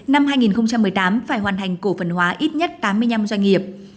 năm hai nghìn một mươi tám phải hoàn thành cổ phần hóa ít nhất tám mươi năm doanh nghiệp